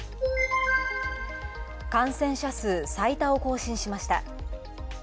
感染者数、最多を更新しました。